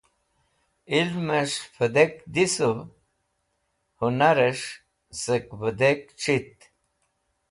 Ilmẽs̃h vẽdek dhisũv, hũnarẽs̃h sẽk vẽdek c̃hit.